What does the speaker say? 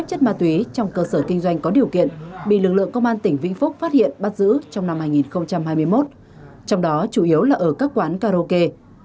trái phép chất ma túy trong cơ sở kinh doanh có điều kiện bị lực lượng công an tỉnh vĩnh phúc phát hiện bắt giữ trong năm hai nghìn hai mươi một trong đó chủ yếu là ở các quán karaoke